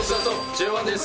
ＪＯ１です！